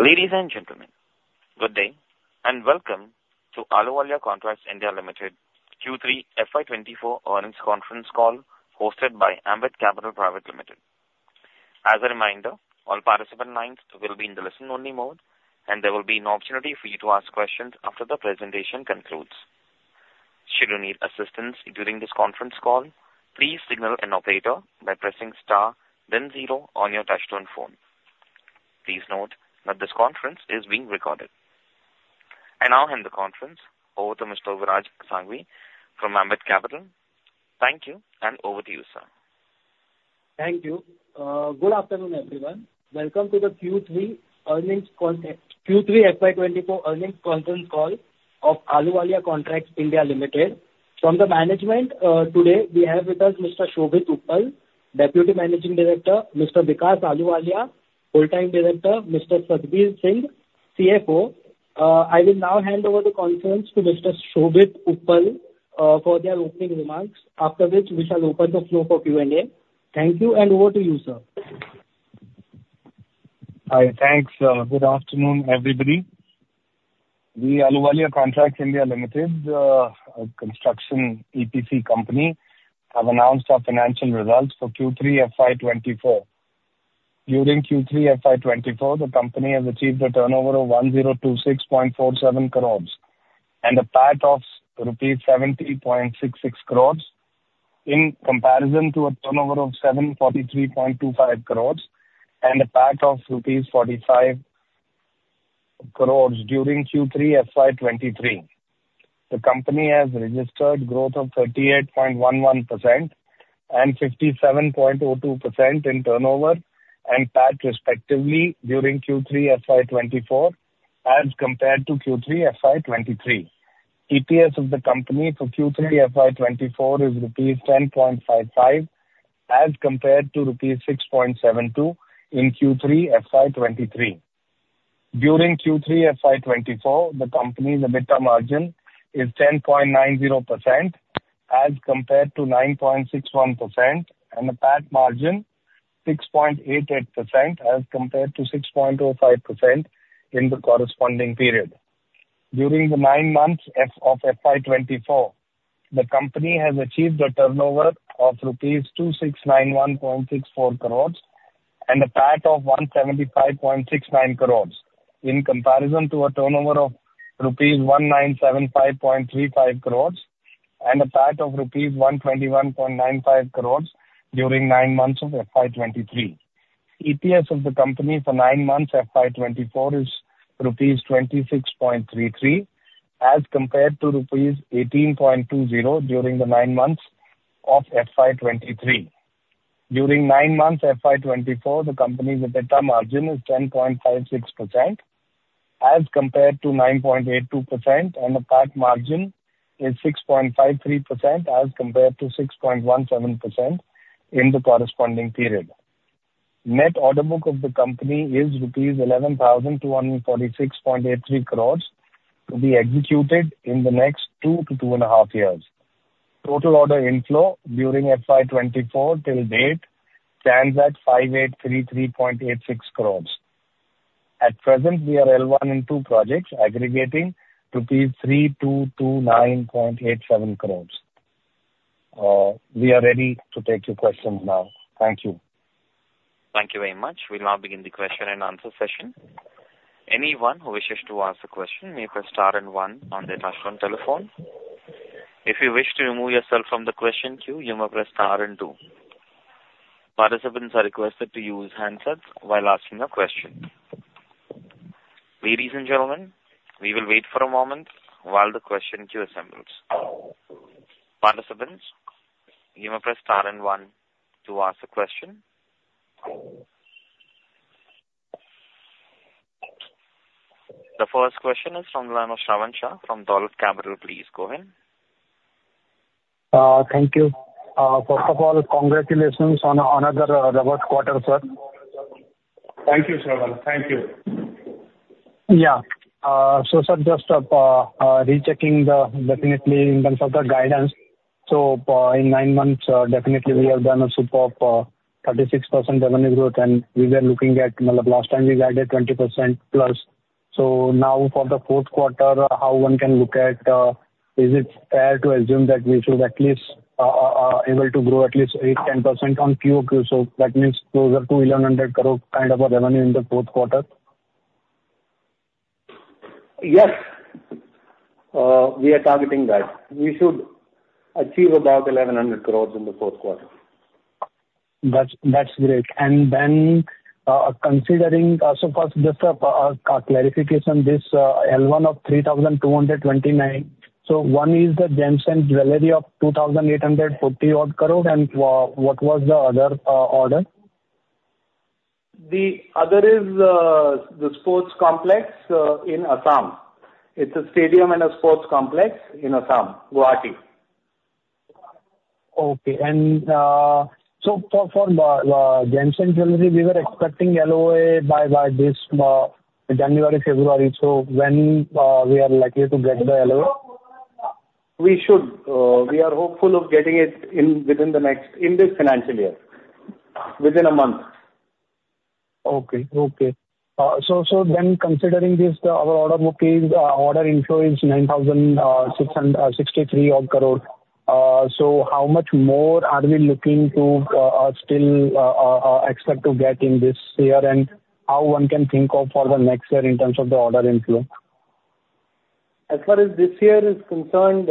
Ladies and gentlemen, good day and welcome to Ahluwalia Contracts (India) Limited Q3 FY24 earnings conference call hosted by Ambit Capital Private Limited. As a reminder, all participant lines will be in the listen-only mode, and there will be no opportunity for you to ask questions after the presentation concludes. Should you need assistance during this conference call, please signal an operator by pressing star, then zero on your touch-tone phone. Please note that this conference is being recorded. And now, I hand the conference over to Mr. Viraj Shanghvi from Ambit Capital. Thank you, and over to you, sir. Thank you. Good afternoon, everyone. Welcome to the Q3 FY24 earnings conference call of Ahluwalia Contracts (India) Limited. From the management, today we have with us Mr. Shobhit Uppal, Deputy Managing Director, Mr. Vikas Ahluwalia, Full-Time Director, Mr. Satheer Singh, CFO. I will now hand over the conference to Mr. Shobhit Uppal for their opening remarks, after which we shall open the floor for Q&A. Thank you, and over to you, sir. Hi, thanks. Good afternoon, everybody. We at Ahluwalia Contracts (India) Limited, a construction EPC company, have announced our financial results for Q3 FY24. During Q3 FY24, the company has achieved a turnover of 1026.47 crores and a PAT of rupees 70.66 crores in comparison to a turnover of 743.25 crores and a PAT of rupees 45 crores during Q3 FY23. The company has registered growth of 38.11% and 57.02% in turnover and PAT respectively during Q3 FY24 as compared to Q3 FY23. EPS of the company for Q3 FY24 is rupees 10.55 as compared to rupees 6.72 in Q3 FY23. During Q3 FY24, the company's EBITDA margin is 10.90% as compared to 9.61%, and the PAT margin 6.88% as compared to 6.05% in the corresponding period. During the nine months of FY24, the company has achieved a turnover of ₹2691.64 crores and a PAT of ₹175.69 crores in comparison to a turnover of ₹1975.35 crores and a PAT of ₹121.95 crores during nine months of FY23. EPS of the company for nine months of FY24 is ₹26.33 as compared to ₹18.20 during the nine months of FY23. During nine months of FY24, the company's EBITDA margin is 10.56% as compared to 9.82%, and the PAT margin is 6.53% as compared to 6.17% in the corresponding period. Net order book of the company is ₹11,246.83 crores to be executed in the next two to two and a half years. Total order inflow during FY24 till date stands at ₹5833.86 crores. At present, we are L1 in two projects aggregating ₹3229.87 crores. We are ready to take your questions now. Thank you. Thank you very much. We'll now begin the question and answer session. Anyone who wishes to ask a question may press star and one on their touch-tone telephone. If you wish to remove yourself from the question queue, you may press star and two. Participants are requested to use handsets while asking a question. Ladies and gentlemen, we will wait for a moment while the question queue assembles. Participants, you may press star and one to ask a question. The first question is from the line of Shravan Shah from Dolat Capital. Please go ahead. Thank you. First of all, congratulations on another robust quarter, sir. Thank you, Shravan. Thank you. Yeah. So, sir, just rechecking the guidance definitely in terms of the guidance. So in nine months, definitely we have done a super 36% revenue growth, and we were looking at last time we guided 20% plus. So now for the fourth quarter, how one can look at is it fair to assume that we should at least be able to grow at least 8%-10% on QOQ? So that means closer to 1,100 crore kind of a revenue in the fourth quarter? Yes. We are targeting that. We should achieve about 1,100 crores in the fourth quarter. That's great. And then considering so first, just a clarification, this L1 of 3,229. So one is the Gems & Jewelry of 2,840 crore. And what was the other order? The other is the sports complex in Assam. It's a stadium and a sports complex in Assam, Guwahati. Okay. And so for Gems & Jewellery, we were expecting LOA by this January, February. So when we are likely to get the LOA? We should. We are hopeful of getting it within the next in this financial year, within a month. Okay. So then considering this, our order book, order inflow is 9,663 crore. So how much more are we looking to still expect to get in this year? And how one can think of for the next year in terms of the order inflow? As far as this year is concerned,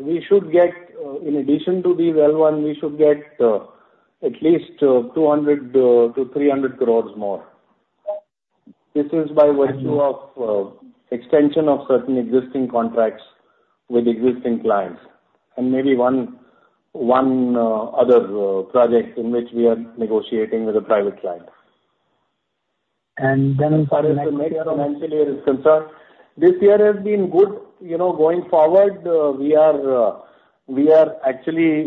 we should get in addition to these L1, we should get at least 200-300 crores more. This is by virtue of extension of certain existing contracts with existing clients and maybe one other project in which we are negotiating with a private client. Then for the next year. As far as the next financial year is concerned, this year has been good. Going forward, we are actually,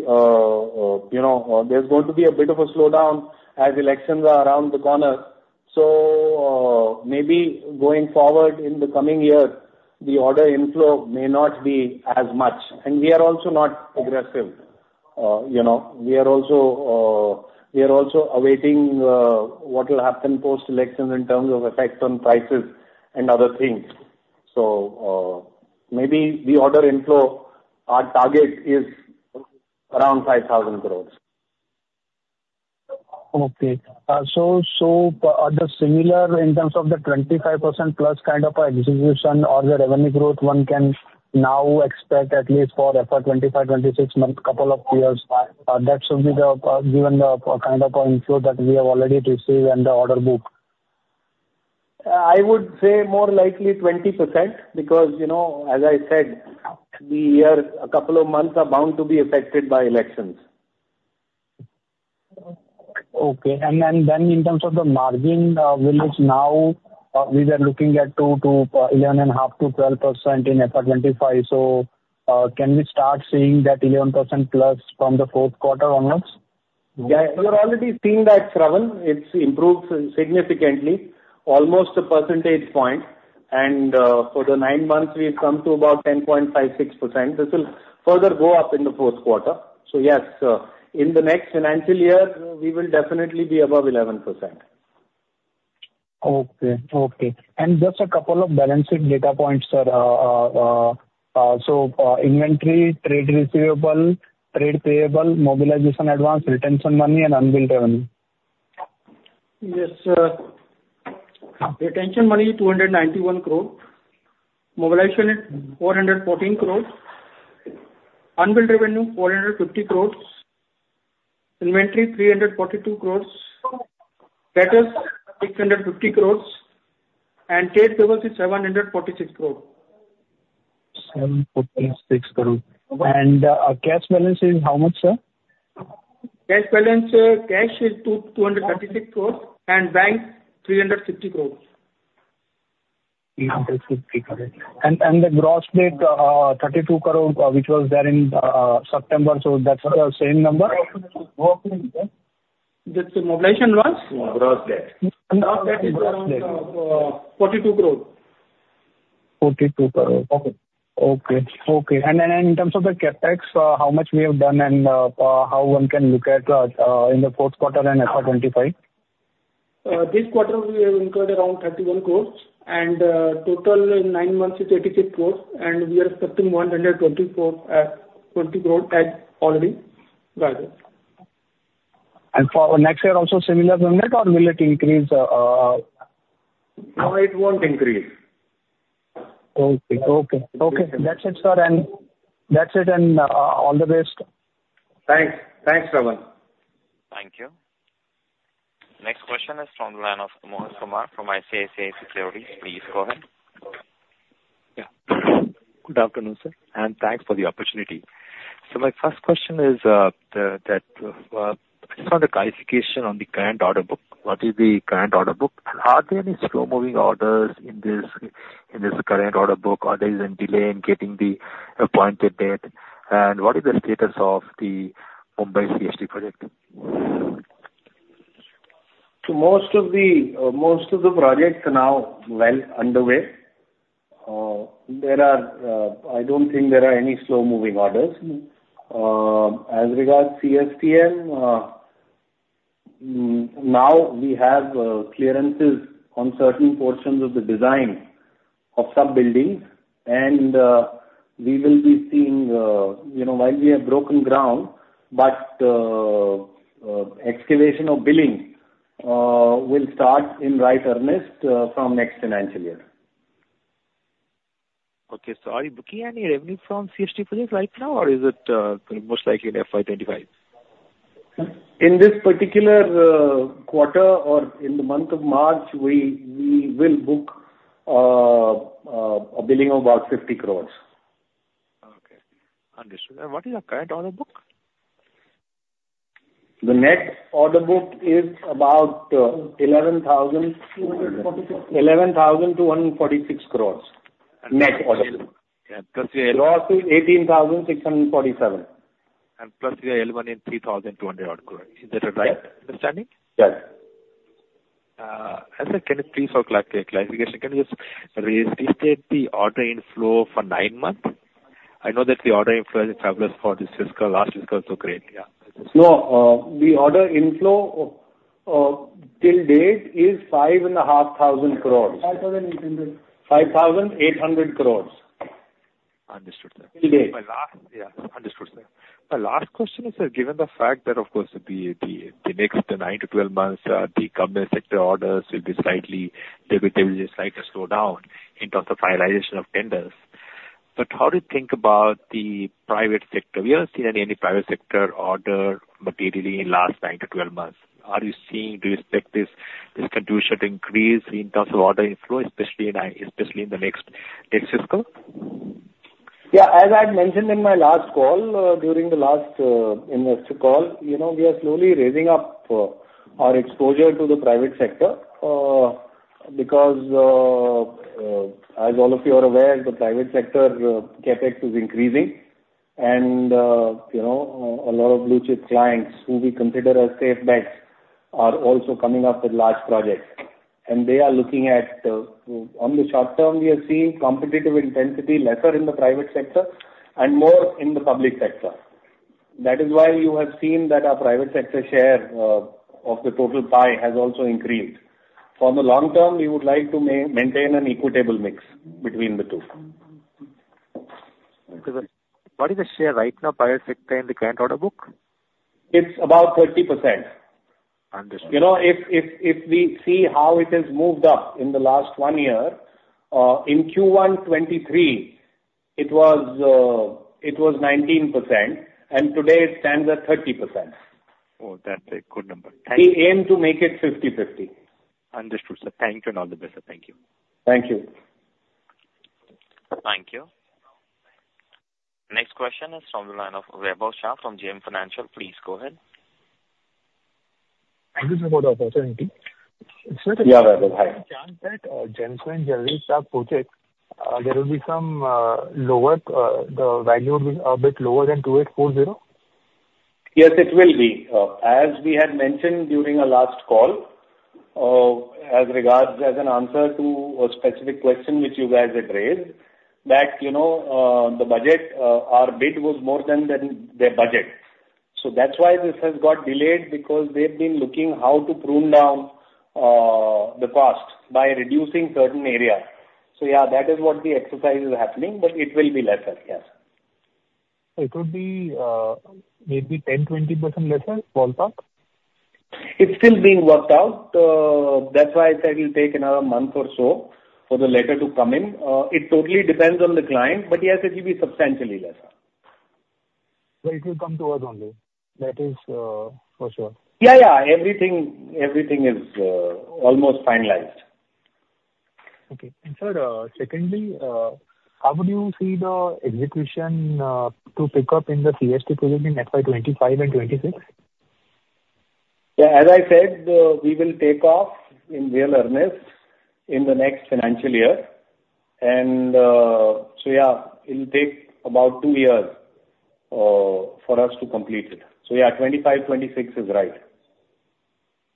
there's going to be a bit of a slowdown as elections are around the corner. So maybe going forward in the coming year, the order inflow may not be as much, and we are also not aggressive. We are also awaiting what will happen post-elections in terms of effect on prices and other things. So maybe the order inflow, our target is around 5,000 crores. Okay. So the similar in terms of the 25% plus kind of execution or the revenue growth, one can now expect at least for FY25, 26 months, couple of years. That should be given the kind of inflow that we have already received and the order book? I would say more likely 20% because, as I said, the year a couple of months are bound to be affected by elections. Okay. And then in terms of the margin, which now we were looking at 11.5%-12% in FY25. So can we start seeing that 11% plus from the fourth quarter onwards? Yes. We're already seeing that, Shravan. It's improved significantly, almost a percentage point. And for the nine months, we've come to about 10.56%. This will further go up in the fourth quarter. So yes, in the next financial year, we will definitely be above 11%. Okay. And just a couple of balancing data points, sir. So inventory, trade receivable, trade payable, mobilization advance, retention money, and unbilled revenue. Yes, sir. Retention money 291 crore. Mobilization 414 crore. Unbilled revenue 450 crores. Inventory 342 crores. Credit 650 crores. And trade payable is 746 crore. 746 crore. And cash balance is how much, sir? Cash balance, cash is 236 crore. And bank 350 crore. 350 crore. And the gross debt 32 crore, which was there in September. So that's the same number? That's the mobilization advance? Gross debt. Gross debt is INR 42 crore. 42 crore. Okay. Okay. Okay. And in terms of the capex, how much we have done and how one can look at in the fourth quarter and FY25? This quarter, we have incurred around 31 crore. And total in nine months is 86 crore. And we are expecting 124 crore already. For next year, also similar amount, or will it increase? No, it won't increase. Okay. That's it, sir. And all the best. Thanks. Thanks, Shravan. Thank you. Next question is from the line of Mohan Kumar from ICICI Securities. Please go ahead. Yeah. Good afternoon, sir. And thanks for the opportunity. So my first question is that I just want a clarification on the current order book. What is the current order book? And are there any slow-moving orders in this current order book? Are there any delay in getting the appointed date? And what is the status of the Mumbai CHD project? So most of the projects are now well underway. I don't think there are any slow-moving orders. As regards CSTM, now we have clearances on certain portions of the design of some buildings. And we will be seeing while we have broken ground, but excavation of building will start in right earnest from next financial year. Okay, so are you booking any revenue from CHD project right now, or is it most likely in FY25? In this particular quarter or in the month of March, we will book a billing of about 50 crores. Okay. Understood. And what is the current order book? The net order book is about 11,246 crores. And plus your L1. L1 is INR 18,647. And plus your L1 in 3,200 crore. Is that right? Understanding? Yes. Sir, can you please, for clarification, can you just restate the order inflow for nine months? I know that the order inflow is fabulous for this fiscal, last fiscal, so great. Yeah. No. The order inflow till date is 5,500 crores. 5,800. 5,800 crores. Understood, sir. Till date. Yeah. Understood, sir. My last question is, given the fact that, of course, the next nine to 12 months, the government sector orders there will be a slight slowdown in terms of finalization of tenders. But how do you think about the private sector? We haven't seen any private sector order materially in the last nine to 12 months. Do you expect this contribution to increase in terms of order inflow, especially in the next fiscal? Yeah. As I had mentioned in my last call during the last investor call, we are slowly raising up our exposure to the private sector because, as all of you are aware, the private sector Capex is increasing. And a lot of blue-chip clients who we consider as safe bets are also coming up with large projects. And they are looking at, on the short term, we are seeing competitive intensity lesser in the private sector and more in the public sector. That is why you have seen that our private sector share of the total pie has also increased. For the long term, we would like to maintain an equitable mix between the two. What is the share right now, private sector, in the current order book? It's about 30%. Understood. If we see how it has moved up in the last one year, in Q1 2023, it was 19%, and today, it stands at 30%. Oh, that's a good number. Thank you. We aim to make it 50/50. Understood, sir. Thank you and all the best, sir. Thank you. Thank you. Thank you. Next question is from the line of Vaibhav Shah from JM Financial. Please go ahead. Thank you for the opportunity. Sir, can you tell us the chance that Gems & Jewellery Park project, there will be some lower the value will be a bit lower than 2840? Yes, it will be. As we had mentioned during our last call, as regards an answer to a specific question which you guys had raised, that the budget, our bid was more than their budget. So that's why this has got delayed because they've been looking how to prune down the cost by reducing certain areas. So yeah, that is what the exercise is happening, but it will be lesser, yes. So it will be maybe 10%-20% lesser, small talk? It's still being worked out. That's why I said it'll take another month or so for the letter to come in. It totally depends on the client, but yes, it will be substantially lesser. So it will come to us only. That is for sure. Yeah, yeah. Everything is almost finalized. Okay. And sir, secondly, how would you see the execution to pick up in the CHD project in FY25 and '26? Yeah. As I said, we will take off in real earnest in the next financial year. And so yeah, it'll take about two years for us to complete it. So yeah, 2025, 2026 is right.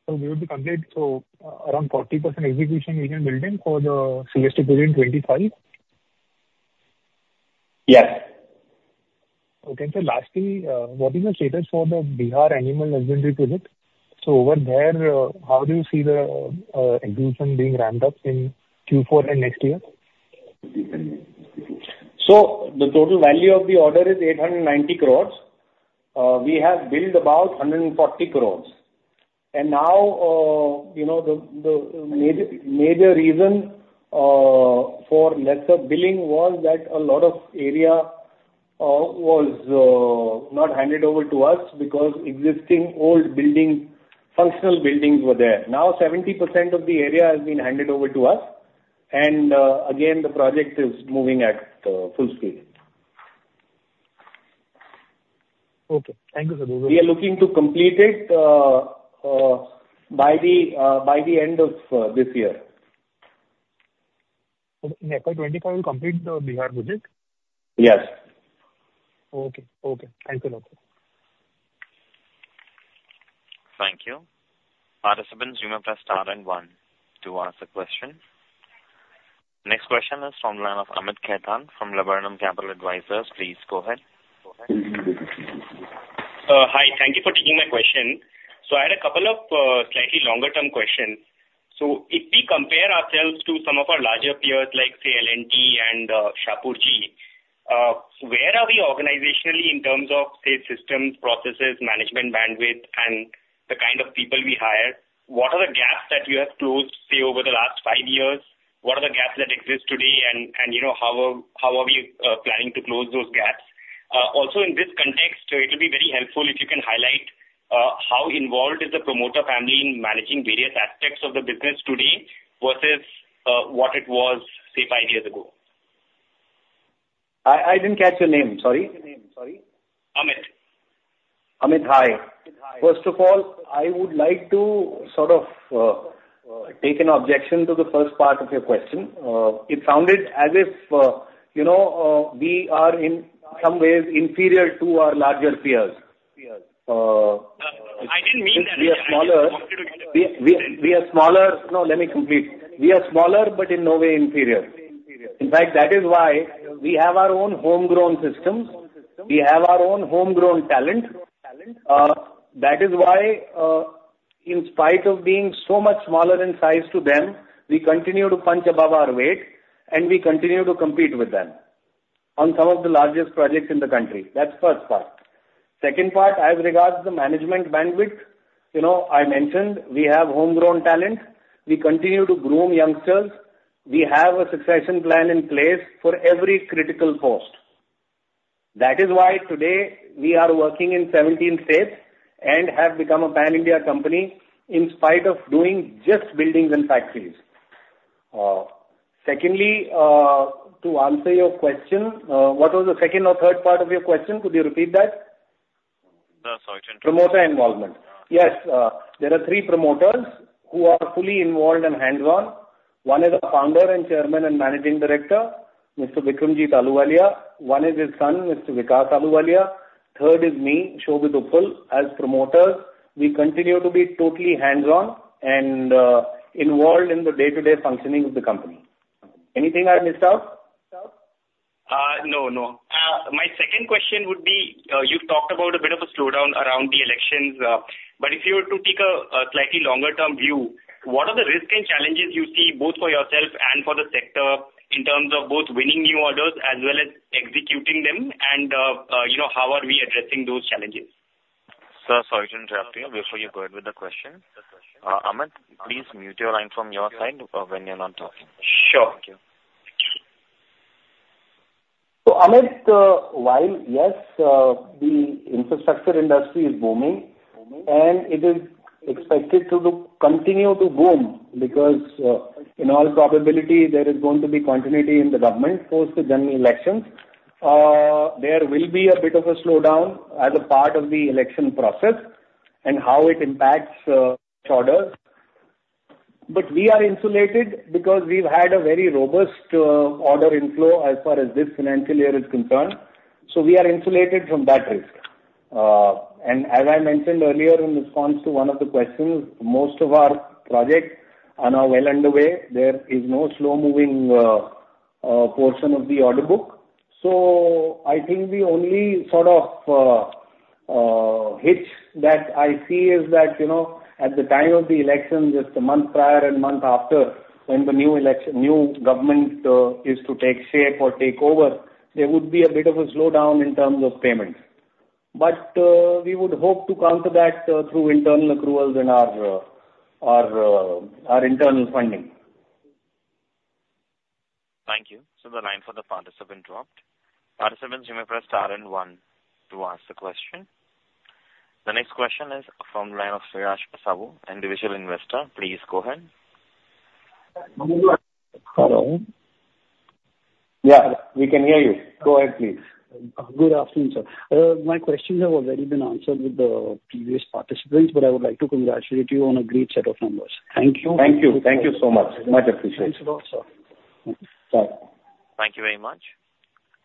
So we will be complete to around 40% execution in the building for the CHD project in 2025? Yes. Okay. And sir, lastly, what is the status for the Bihar Animal Sciences University project? So over there, how do you see the execution being ramped up in Q4 and next year? So the total value of the order is 890 crores. We have billed about 140 crores. And now the major reason for lesser billing was that a lot of area was not handed over to us because existing old buildings, functional buildings were there. Now 70% of the area has been handed over to us. And again, the project is moving at full speed. Okay. Thank you, sir. We are looking to complete it by the end of this year. In FY25, we'll complete the Bihar project? Yes. Okay. Okay. Thank you, sir. Thank you. Participants, you may press star and one to ask a question. Next question is from the line of Amit Khetan from Laburnum Capital. Please go ahead. Hi. Thank you for taking my question. So I had a couple of slightly longer-term questions. So if we compare ourselves to some of our larger peers, like say L&T and Shapoorji, where are we organizationally in terms of, say, systems, processes, management bandwidth, and the kind of people we hire? What are the gaps that you have closed, say, over the last five years? What are the gaps that exist today? And how are we planning to close those gaps? Also, in this context, it will be very helpful if you can highlight how involved is the promoter family in managing various aspects of the business today versus what it was, say, five years ago? I didn't catch your name. Sorry. What's your name? Sorry. Amit. Amit. Hi. First of all, I would like to sort of take an objection to the first part of your question. It sounded as if we are in some ways inferior to our larger peers. I didn't mean that. We are smaller. We are smaller. No, let me complete. We are smaller, but in no way inferior. In fact, that is why we have our own homegrown systems. We have our own homegrown talent. That is why, in spite of being so much smaller in size to them, we continue to punch above our weight, and we continue to compete with them on some of the largest projects in the country. That's the first part. Second part, as regards the management bandwidth, I mentioned we have homegrown talent. We continue to groom youngsters. We have a succession plan in place for every critical post. That is why today we are working in 17 states and have become a pan-India company in spite of doing just buildings and factories. Secondly, to answer your question, what was the second or third part of your question? Could you repeat that? No, sorry. Promoter involvement. Yes. There are three promoters who are fully involved and hands-on. One is a founder and Chairman and Managing Director, Mr. Vikramjit Ahluwalia. One is his son, Mr. Vikas Ahluwalia. Third is me, Shobhit Uppal, as promoters. We continue to be totally hands-on and involved in the day-to-day functioning of the company. Anything I missed out? No, no. My second question would be you've talked about a bit of a slowdown around the elections. But if you were to take a slightly longer-term view, what are the risks and challenges you see both for yourself and for the sector in terms of both winning new orders as well as executing them? And how are we addressing those challenges? Sir, sorry to interrupt you. Before you go ahead with the question, Amit, please mute your line from your side when you're not talking. Sure. Thank you. So Amit, yes, the infrastructure industry is booming, and it is expected to continue to boom because, in all probability, there is going to be continuity in the government post the general elections. There will be a bit of a slowdown as a part of the election process and how it impacts orders. But we are insulated because we've had a very robust order inflow as far as this financial year is concerned. So we are insulated from that risk. And as I mentioned earlier in response to one of the questions, most of our projects are now well underway. There is no slow-moving portion of the order book. So I think the only sort of hitch that I see is that at the time of the election, just a month prior and month after, when the new government is to take shape or take over, there would be a bit of a slowdown in terms of payments. But we would hope to counter that through internal accruals and our internal funding. Thank you. So the line for the participant dropped. Participants, you may press star and one to ask a question. The next question is from the line of Sriraj Asavu, individual investor. Please go ahead. Hello. Yeah, we can hear you. Go ahead, please. Good afternoon, sir. My questions have already been answered with the previous participants, but I would like to congratulate you on a great set of numbers. Thank you. Thank you. Thank you so much. Much appreciated. Thanks a lot, sir. Bye. Thank you very much.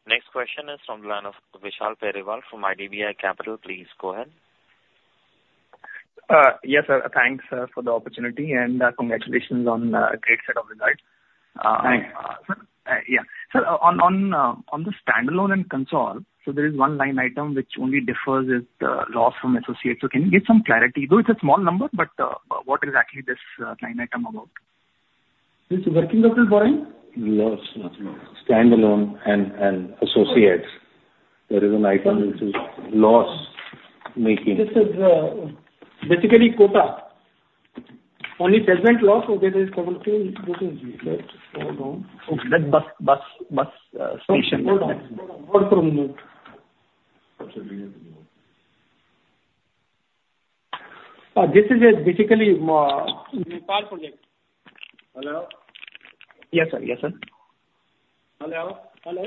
Next question is from the line of Vishal Periwal from IDBI Capital. Please go ahead. Yes, sir. Thanks, sir, for the opportunity, and congratulations on a great set of results. Thanks. Yeah. Sir, on the standalone and consolidated, so there is one line item which only differs is the loss from associates. So can you get some clarity? Though it's a small number, but what exactly this line item is about? It's working up to borrowing. Loss, standalone and associates. There is an item which is loss making. This is basically Kota. Only present loss of it is 73. This is the. Okay. Bus. Bus Station. Hold on. Hold on. One moment. This is basically. Nepal project. Hello? Yes, sir. Yes, sir. Hello? Hello?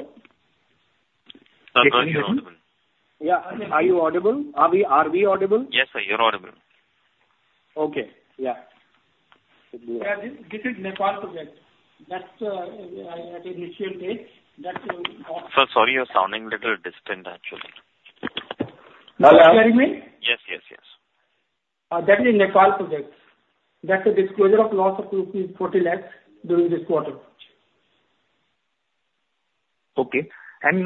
Yeah. Are you audible? Are we audible? Yes, sir. You're audible. Okay. Yeah. This is Nepal project. That's at initial stage. Sir, sorry, you're sounding a little distant, actually. Are you hearing me? Yes, yes, yes. That is Nepal project. That's a disclosure of loss of rupees 4,000,000 during this quarter. Okay. And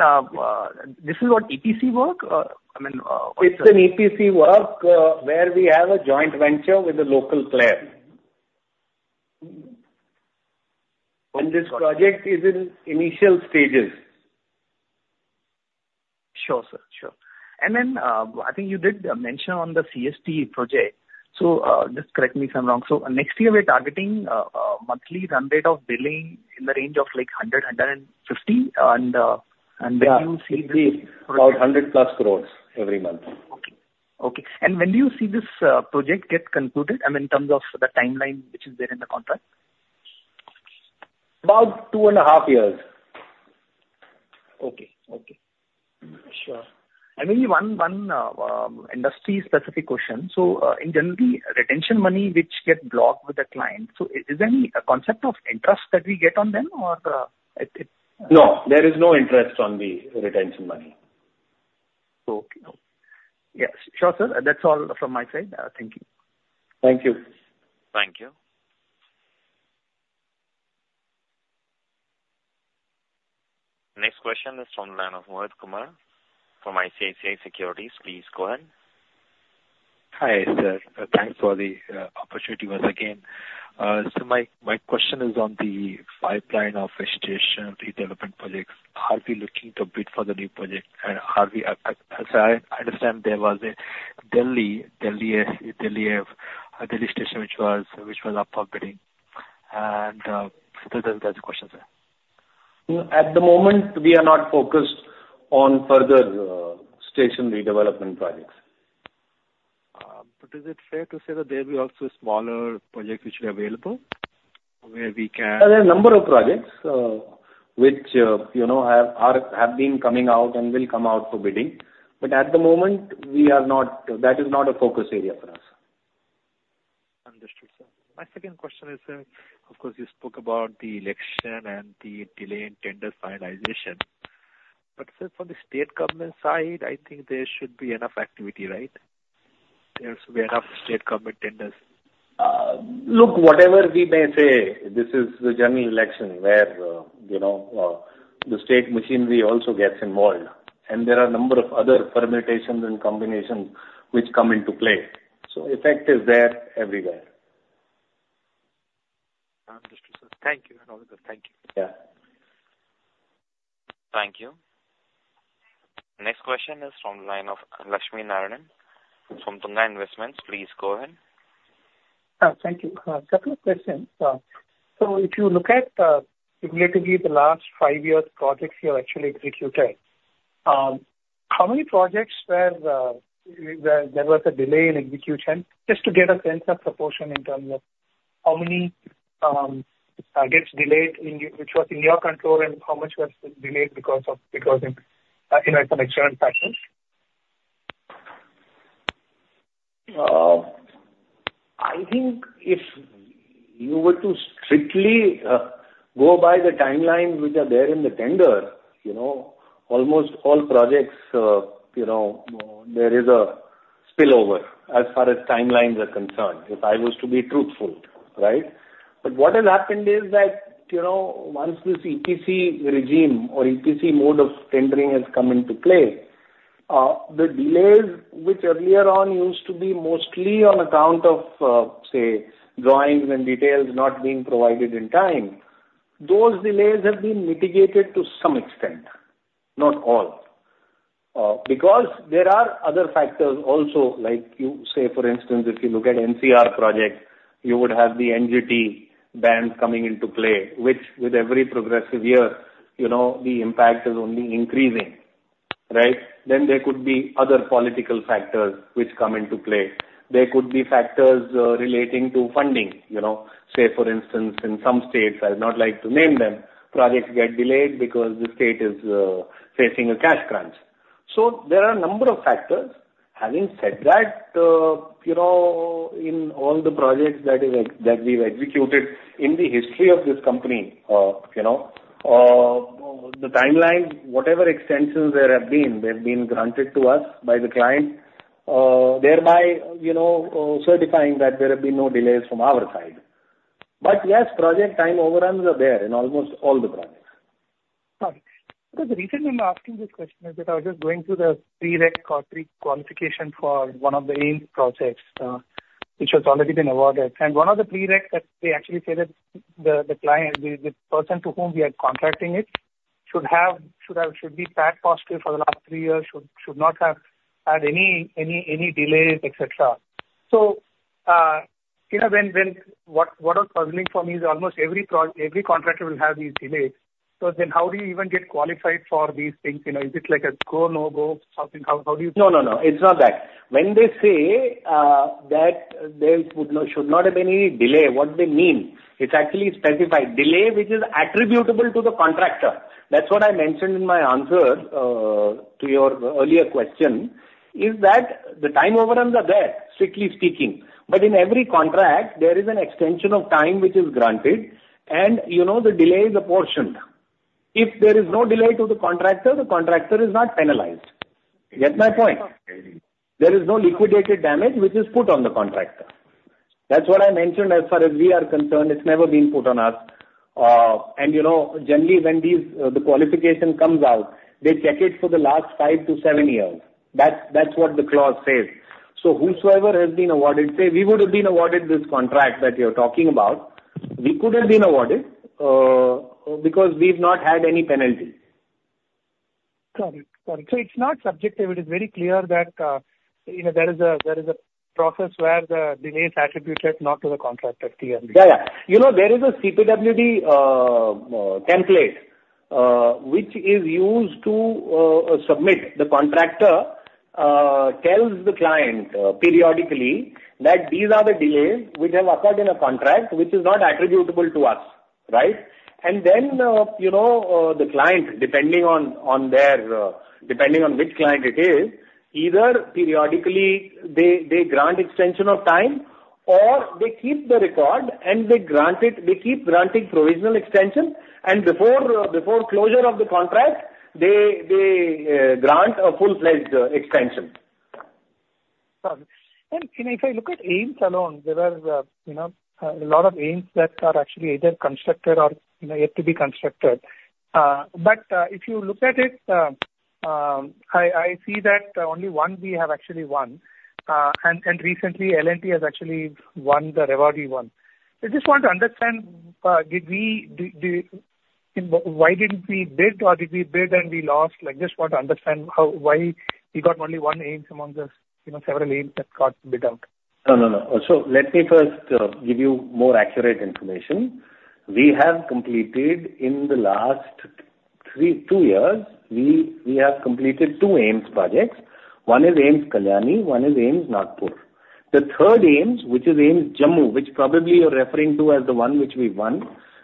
this is what EPC work? I mean. It's an EPC work where we have a joint venture with a local player, and this project is in initial stages. Sure, sir. Sure. And then I think you did mention on the CST project. So just correct me if I'm wrong. So next year, we're targeting a monthly run rate of billing in the range of like 100-150. And when you see this. About 100 plus crores every month. Okay. Okay and when do you see this project get concluded? I mean, in terms of the timeline which is there in the contract? About two and a half years. Okay. Sure. I mean, one industry-specific question. So in general, the retention money which gets blocked with the client, so is there any concept of interest that we get on them or? No. There is no interest on the retention money. Okay. Yes. Sure, sir. That's all from my side. Thank you. Thank you. Thank you. Next question is from the line of Mohit Kumar from ICICI Securities. Please go ahead. Hi, sir. Thanks for the opportunity once again, so my question is on the pipeline of station redevelopment projects. Are we looking to bid for the new project? And are we? So I understand there was a Delhi station which was up for bidding, and so that's the question, sir. At the moment, we are not focused on further station redevelopment projects. But is it fair to say that there will be also smaller projects which are available where we can? There are a number of projects which have been coming out and will come out for bidding. But at the moment, that is not a focus area for us. Understood, sir. My second question is, of course, you spoke about the election and the delay in tender finalization. But sir, for the state government side, I think there should be enough activity, right? There should be enough state government tenders. Look, whatever we may say, this is the general election where the state machinery also gets involved. And there are a number of other permutations and combinations which come into play. So effect is there everywhere. Understood, sir. Thank you. And all the best. Thank you. Yeah. Thank you. Next question is from the line of Lakshmi Narayanan from Tunga Investments. Please go ahead. Thank you. A couple of questions. So if you look at relatively the last five years' projects you have actually executed, how many projects where there was a delay in execution? Just to get a sense of proportion in terms of how many gets delayed, which was in your control, and how much was delayed because of some external factors? I think if you were to strictly go by the timeline which are there in the tender, almost all projects, there is a spillover as far as timelines are concerned, if I was to be truthful, right? But what has happened is that once this EPC regime or EPC mode of tendering has come into play, the delays which earlier on used to be mostly on account of, say, drawings and details not being provided in time, those delays have been mitigated to some extent, not all. Because there are other factors also, like you say, for instance, if you look at NCR projects, you would have the NGT ban coming into play, which with every progressive year, the impact is only increasing, right? Then there could be other political factors which come into play. There could be factors relating to funding. Say, for instance, in some states, I'd not like to name them, projects get delayed because the state is facing a cash crunch. So there are a number of factors. Having said that, in all the projects that we've executed in the history of this company, the timelines, whatever extensions there have been, they've been granted to us by the client, thereby certifying that there have been no delays from our side. But yes, project time overruns are there in almost all the projects. Okay. Because the reason I'm asking this question is that I was just going through the pre-qualification for one of the AIIMS projects, which has already been awarded. And one of the pre-requisites that they actually say that the person to whom we are contracting it should be PAT positive for the last three years, should not have had any delays, etc. So what was puzzling for me is almost every contractor will have these delays. So then how do you even get qualified for these things? Is it like a go, no go? How do you? No, no, no. It's not that. When they say that there should not have any delay, what they mean is actually specified delay which is attributable to the contractor. That's what I mentioned in my answer to your earlier question, is that the time overruns are there, strictly speaking. But in every contract, there is an extension of time which is granted, and the delay is apportioned. If there is no delay to the contractor, the contractor is not penalized. Get my point? There is no liquidated damage which is put on the contractor. That's what I mentioned as far as we are concerned. It's never been put on us. And generally, when the qualification comes out, they check it for the last five to seven years. That's what the clause says. So whosoever has been awarded, say, we would have been awarded this contract that you're talking about. We could have been awarded because we've not had any penalty. Got it. Got it. So it's not subjective. It is very clear that there is a process where the delay is attributed not to the contractor, clearly. Yeah, yeah. There is a CPWD template which is used to submit. The contractor tells the client periodically that these are the delays which have occurred in a contract which is not attributable to us, right? And then the client, depending on which client it is, either periodically they grant extension of time or they keep the record and they keep granting provisional extension. And before closure of the contract, they grant a full-fledged extension. Got it. And if I look at AIIMS alone, there are a lot of AIIMS that are actually either constructed or yet to be constructed. But if you look at it, I see that only one we have actually won. And recently, L&T has actually won the Rewari one. I just want to understand, why didn't we bid or did we bid and we lost? I just want to understand why we got only one AIIMS among the several AIIMS that got bid out. No, no, no. So let me first give you more accurate information. We have completed in the last two years, we have completed two AIIMS projects. One is AIIMS Kalyani. One is AIIMS Nagpur. The third AIIMS, which is AIIMS Jammu, which probably you're referring to as the one which we won,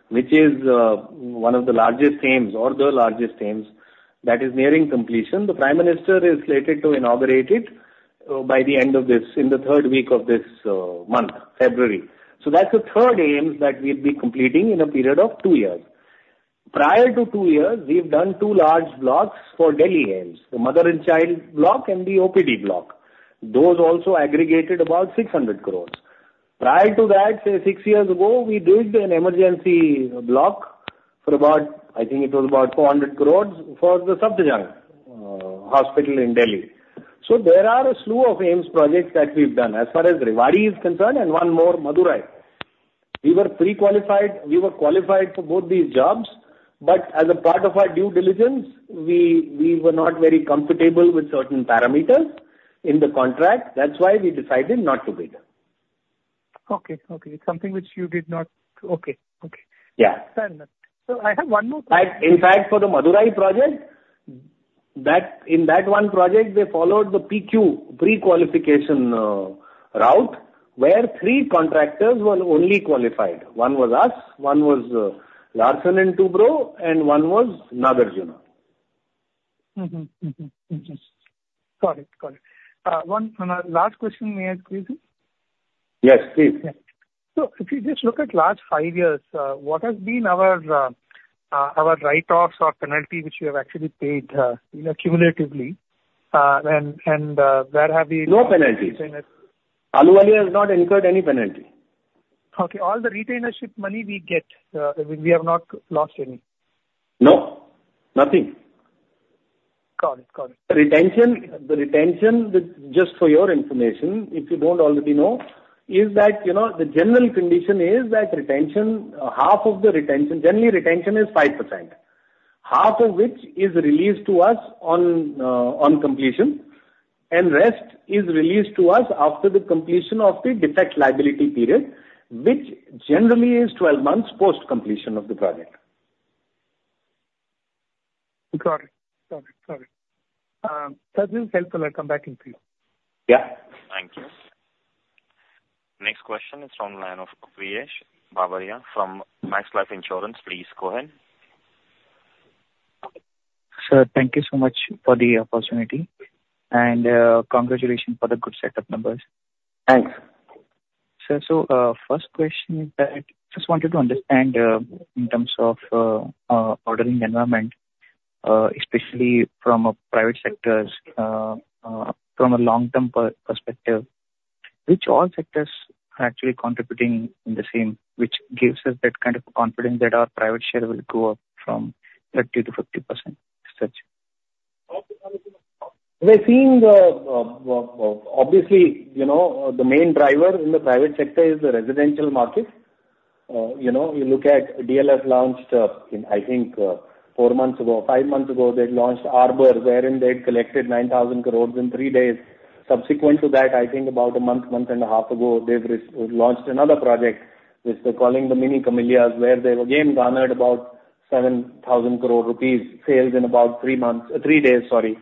which is one of the largest AIIMS or the largest AIIMS that is nearing completion. The Prime Minister is slated to inaugurate it by the end of this, in the third week of this month, February. So that's the third AIIMS that we'll be completing in a period of two years. Prior to two years, we've done two large blocks for Delhi AIIMS, the mother and child block and the OPD block. Those also aggregated about 600 crores. Prior to that, say six years ago, we did an emergency block for about, I think it was about 400 crores for the Safdarjung Hospital in Delhi. So there are a slew of AIIMS projects that we've done as far as Rewari is concerned and one more, Madurai. We were pre-qualified. We were qualified for both these jobs, but as a part of our due diligence, we were not very comfortable with certain parameters in the contract. That's why we decided not to bid. It's something which you did not. Yeah. Fair enough, so I have one more question. In fact, for the Madurai project, in that one project, they followed the PQ pre-qualification route where three contractors were only qualified. One was us, one was Larsen & Toubro, and one was Nagarjuna. Interesting. Got it. Got it. One last question, may I ask you? Yes, please. So if you just look at last five years, what has been our write-offs or penalty which we have actually paid cumulatively? And where have we? No penalties. Ahluwalia has not incurred any penalty. Okay. All the retention money we get, we have not lost any? No. Nothing. Got it. Got it. The retention, just for your information, if you don't already know, is that the general condition is that retention, half of the retention, generally, retention is 5%, half of which is released to us on completion, and rest is released to us after the completion of the defect liability period, which generally is 12 months post-completion of the project. Got it. Got it. Got it. That is helpful. I'll come back to you. Yeah. Thank you. Next question is from the line of Priyesh Babariya from Max Life Insurance. Please go ahead. Sir, thank you so much for the opportunity, and congratulations for the good Q4 numbers. Thanks. Sir, so first question is that I just wanted to understand in terms of ordering environment, especially from a private sector, from a long-term perspective, which all sectors are actually contributing in the same, which gives us that kind of confidence that our private share will go up from 30%-50%, such? Obviously, the main driver in the private sector is the residential market. You look at DLF launched, I think, four months ago, five months ago, they launched Arbor, wherein they had collected 9,000 crores in three days. Subsequent to that, I think about a month, month and a half ago, they've launched another project which they're calling the Mini Camellias, where they've again garnered about 7,000 crore rupees sales in about three days, sorry.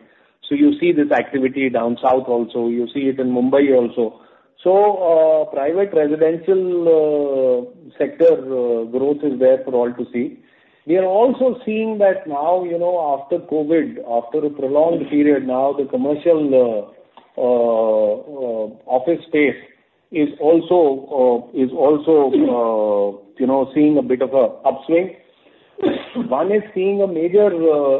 So you see this activity down south also. You see it in Mumbai also. So private residential sector growth is there for all to see. We are also seeing that now, after COVID, after a prolonged period, now the commercial office space is also seeing a bit of an upswing. One is seeing a major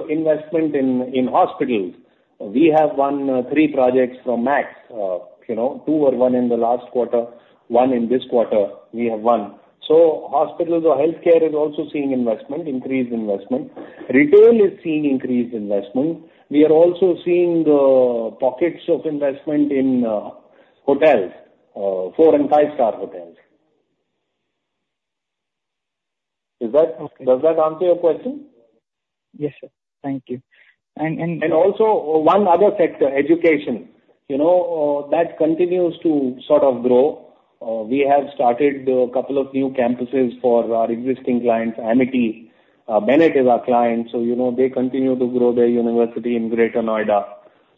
investment in hospitals. We have won three projects from Max. Two were won in the last quarter, one in this quarter, we have won. So hospitals or healthcare is also seeing investment, increased investment. Retail is seeing increased investment. We are also seeing pockets of investment in hotels, four- and five-star hotels. Does that answer your question? Yes, sir. Thank you. Also, one other sector, education, that continues to sort of grow. We have started a couple of new campuses for our existing clients. Amity, Bennett is our client, so they continue to grow their university in Greater Noida.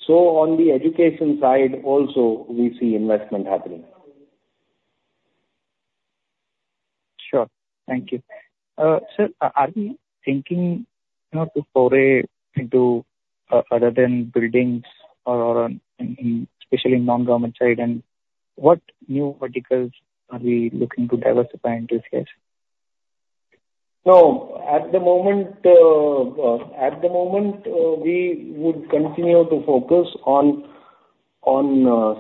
On the education side also, we see investment happening. Sure. Thank you. Sir, are we thinking to foray into other than buildings or especially in non-government side? And what new verticals are we looking to diversify into here? So at the moment, we would continue to focus on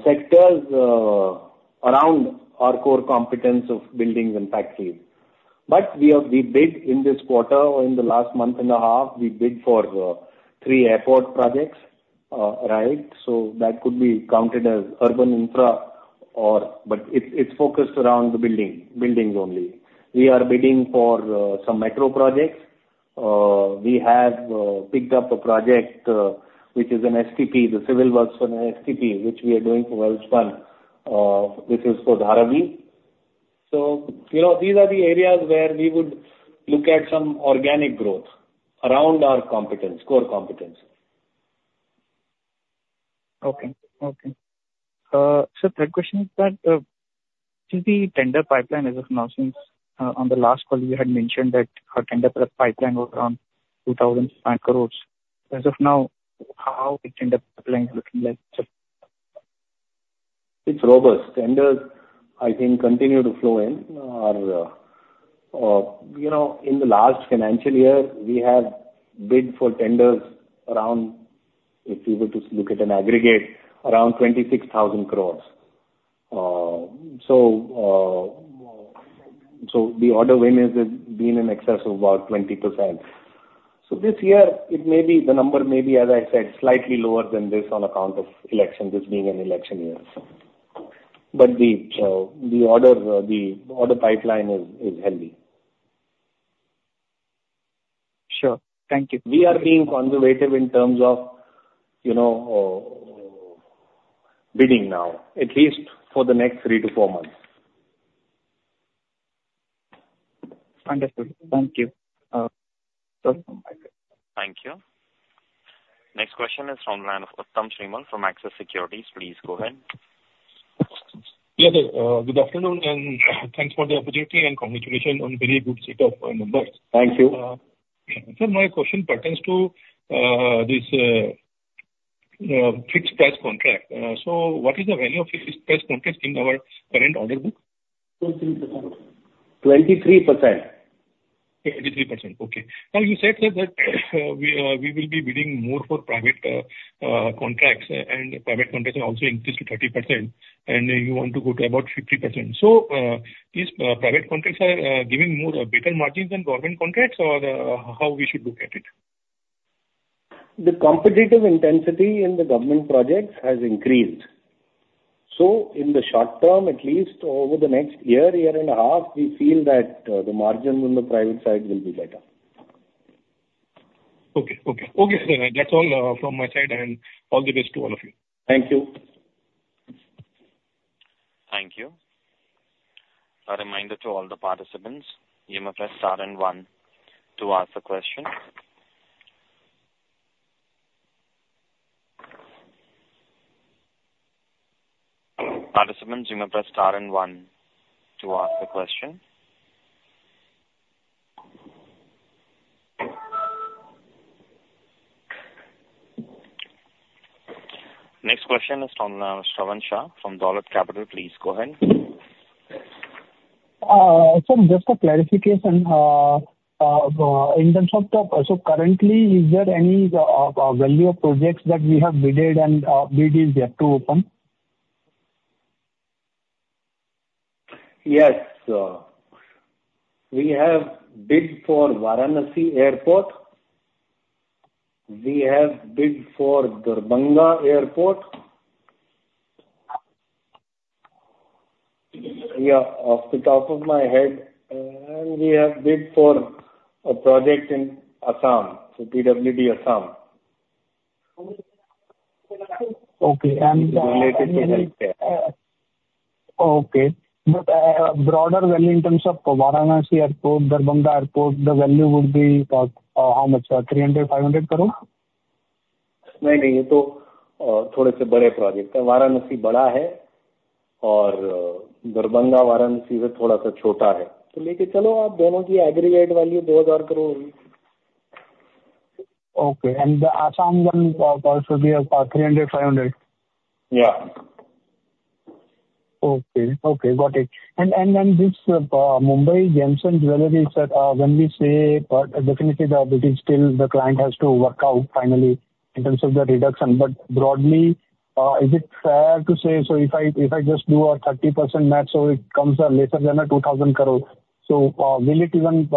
sectors around our core competence of buildings and factories. But we bid in this quarter, in the last month and a half, we bid for three airport projects, right? So that could be counted as urban infra, but it's focused around the building only. We are bidding for some metro projects. We have picked up a project which is an STP, the Civil Works for an STP, which we are doing for Welspun which is for Dharavi. So these are the areas where we would look at some organic growth around our core competence. Okay. Sir, third question is that since the tender pipeline as of now, since on the last call, you had mentioned that our tender pipeline was around 2,500 crores, as of now, how is the tender pipeline looking like? It's robust. Tenders, I think, continue to flow in. In the last financial year, we have bid for tenders around, if you were to look at an aggregate, around 26,000 crores. So the order win has been in excess of about 20%. So this year, the number may be, as I said, slightly lower than this on account of elections, this being an election year. But the order pipeline is healthy. Sure. Thank you. We are being conservative in terms of bidding now, at least for the next three to four months. Understood. Thank you. Thank you. Next question is from the line of Uttam Srimal from Axis Securities. Please go ahead. Yes, sir. Good afternoon and thanks for the opportunity and congratulations on a very good set of numbers. Thank you. Sir, my question pertains to this fixed price contract, so what is the value of fixed price contract in our current order book? 23%. 23%. 23%. Okay. Now, you said that we will be bidding more for private contracts, and private contracts also increased to 30%, and you want to go to about 50%. So these private contracts are giving better margins than government contracts, or how we should look at it? The competitive intensity in the government projects has increased. So in the short term, at least over the next year, year and a half, we feel that the margin on the private side will be better. Okay. That's all from my side, and all the best to all of you. Thank you. Thank you. A reminder to all the participants, you may press star and one to ask the question. Participants, you may press star and one to ask the question. Next question is from Shravan Shah from Dolat Capital. Please go ahead. Sir, just a clarification. In terms of so currently, is there any value of projects that we have bidded and bid is yet to open? Yes. We have bid for Varanasi Airport. We have bid for Darbhanga Airport. Yeah, off the top of my head. And we have bid for a project in Assam, so PWD Assam. Okay. And. Related to healthcare. Okay. But broader value in terms of Varanasi Airport, Darbhanga Airport, the value would be how much? 300 crore-500 crore? No, no. These are somewhat large projects. Varanasi is large and Darbhanga is a bit smaller than Varanasi. So let's assume, the aggregate value of both will be INR 2,000 crore. Okay. And Assam one also be 300-500? Yeah. Okay. Okay. Got it. And then this Mumbai Gems and Jewellery, when we say definitely the client has to work out finally in terms of the reduction, but broadly, is it fair to say, so if I just do a 30% max, so it comes lesser than 2,000 crore, so will it even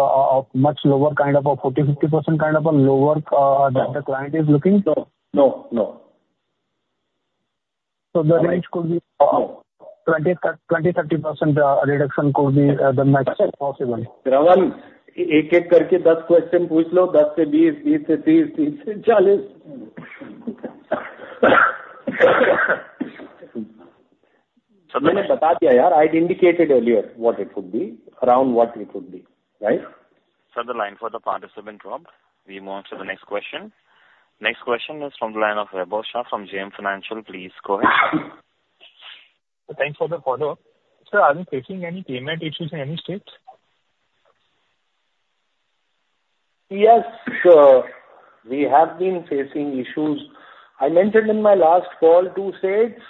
much lower kind of a 40%-50% kind of a lower that the client is looking? No. No. No. So the range could be 20%-30% reduction could be the maximum possible. एक-एक करके 10 question पूछ लो, 10 से 20, 20 से 30, 30 से 40. Sir, मैंने बता दिया, यार. I indicated earlier what it would be, around what it would be, right? Sir, the line for the participant dropped. We move on to the next question. Next question is from the line of Shravan Shah from Dolat Capital. Please go ahead. Thanks for the follow-up. Sir, are you facing any payment issues in any states? Yes. We have been facing issues. I mentioned in my last call two states,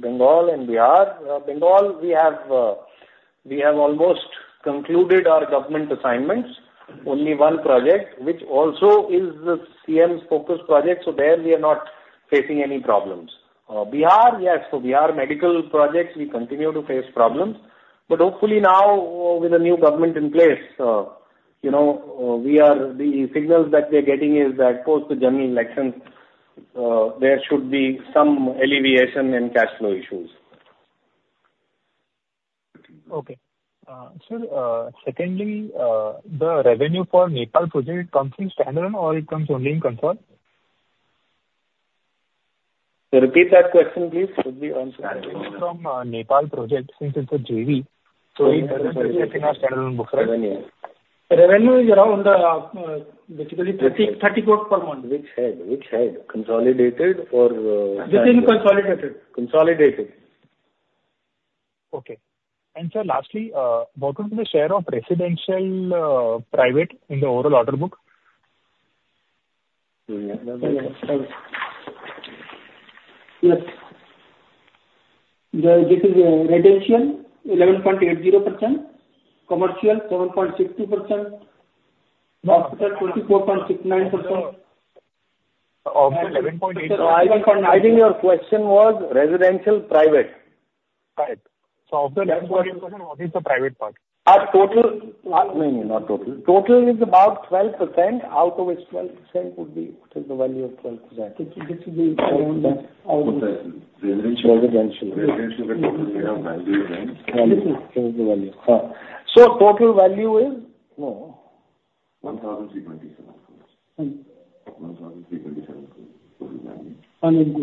Bengal and Bihar. Bengal, we have almost concluded our government assignments. Only one project, which also is the CM's focus project, so there we are not facing any problems. Bihar, yes. For Bihar medical projects, we continue to face problems. But hopefully now, with the new government in place, the signals that we are getting is that post the general elections, there should be some alleviation in cash flow issues. Okay. Sir, secondly, the revenue for Nepal project, it comes in standalone or it comes only in consolidated? Repeat that question, please. Revenue from Nepal project, since it's a JV, so it doesn't exist in a standalone book? Revenue. Revenue is around basically 30 crore per month. Which head? Which head? Consolidated or? Within consolidated. Consolidated. Okay. And sir, lastly, what would be the share of residential private in the overall order book? Yes. This is residential 11.80%, commercial 7.62%, hospital 24.69%. Of the 11.80%, I think your question was residential private. Got it. So off the 11.80%, what is the private part? Not total. Not total. Total is about 12%. Out of which 12% would be what is the value of 12%? This would be around residential. Residential, the total value. This is the value. total value is 1,327 crores? No, 1,327 crores. 1,327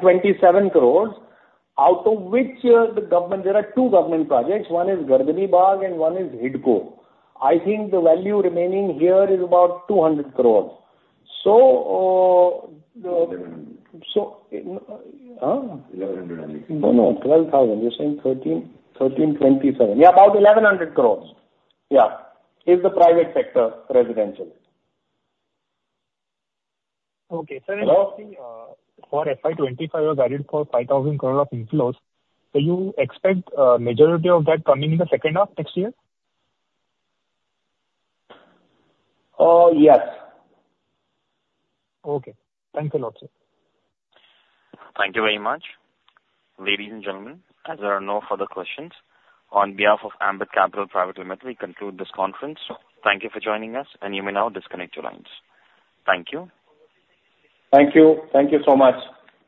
crores. 1,327 crores. Out of which the government, there are two government projects. One is Gardanibagh and one is HIDCO. I think the value remaining here is about 200 crores. So. 1,100. 1,100. No, no. 12,000. You're saying 1,327. Yeah, about 1,100 crores. Yeah. Is the private sector residential? Hello? Okay. Sir, for FY25, you're valued for 5,000 crores of inflows, so you expect majority of that coming in the second half next year? Yes. Okay. Thank you a lot, sir. Thank you very much. Ladies and gentlemen, as there are no further questions, on behalf of Ambit Capital Private Limited, we conclude this conference. Thank you for joining us, and you may now disconnect your lines. Thank you. Thank you. Thank you so much.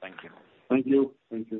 Thank you. Thank you. Thank you.